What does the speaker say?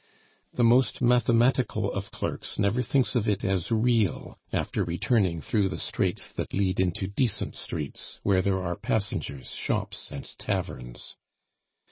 The most mathematical of clerks never thinks of it as real, after returning through the straits that lead into decent streets, where there are passengers, shops, and taverns.